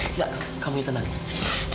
enggak kamu tenangin